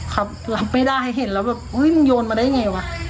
ครับรับไม่ได้เห็นแล้วแบบเฮ้ยมึงโยนมาได้ไงวะ